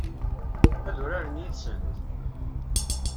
Ad uraren yid-sent?